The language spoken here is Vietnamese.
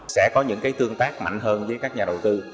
sẽ có những tương tác mạnh hơn với các nhà đầu tư